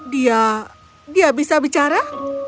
dia dia bisa bicara